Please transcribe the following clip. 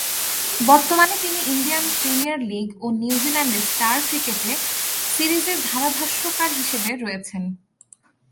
বর্তমানে তিনি Indian Premier League ও নিউজিল্যান্ডে স্টার ক্রিকেটে সিরিজের ধারাভাষ্যকার হিসেবে রয়েছেন।